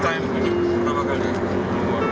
apakah siang sudah nangis